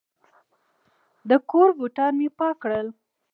د کور بوټان مې پاک کړل.